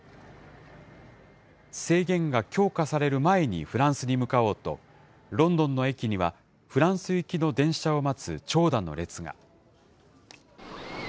制限が強化される前に、フランスに向かおうと、ロンドンの駅には、フランス行きの電車を待つ長蛇の列が。